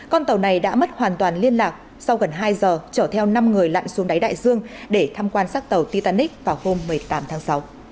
con tàu này đã mất hoàn toàn liên lạc sau gần hai giờ chở theo năm người lặn xuống đáy đại dương để tham quan sát tàu titanic vào hôm một mươi tám tháng sáu